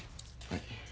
はい。